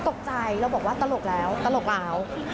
ตกใจเราบอกว่าตลกแล้วตลกแล้ว